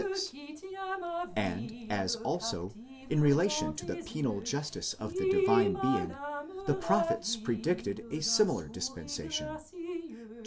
6); and as also, in relation to the penal justice of the Divine Being, the prophets predicted a similar dispensation (Jer.